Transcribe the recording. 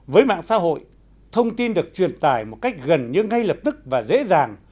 với mạng xã hội thông tin được truyền tải một cách gần như ngay lập tức và dễ dàng